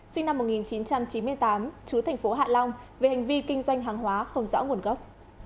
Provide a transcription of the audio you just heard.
sinh năm một nghìn chín trăm chín mươi tám chú thành phố hạ long về hành vi kinh doanh hàng hóa không rõ nguồn gốc